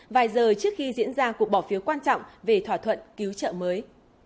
vài giờ trước khi diễn ra cuộc bỏ phiếu quan trọng về thỏa thuận cứu trợ mới